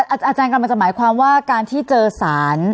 อาจารย์กำลังจะหมายความว่าการที่เจอสาร